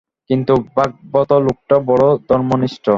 কিন্তু ভাগবত লোকটা বড়ো ধর্মনিষ্ঠ।